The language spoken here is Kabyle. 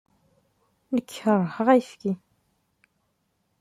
Nekk keṛheɣ ayefki.